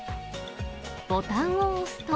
ボタンを押すと。